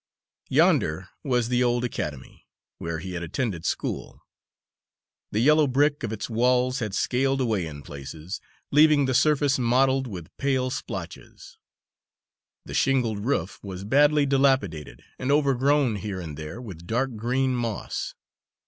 Yonder was the old academy, where he had attended school. The yellow brick of its walls had scaled away in places, leaving the surface mottled with pale splotches; the shingled roof was badly dilapidated, and overgrown here and there with dark green moss.